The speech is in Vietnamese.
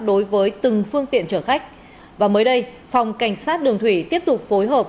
đối với từng phương tiện chở khách và mới đây phòng cảnh sát đường thủy tiếp tục phối hợp